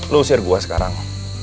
lo usir gue sekarang